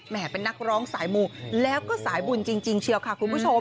เป็นนักร้องสายมูแล้วก็สายบุญจริงเชียวค่ะคุณผู้ชม